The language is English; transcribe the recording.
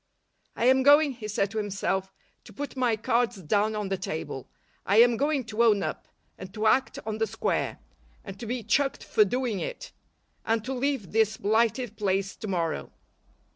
"I am going," he said to himself, "to put my cards down on the table. I am going to own up, and to act on the square, and to be chucked for doing it, and to leave this blighted place to morrow."